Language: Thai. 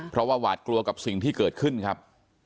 เพราะว่าหวาดกลัวกับสิ่งที่เกิดขึ้นครับ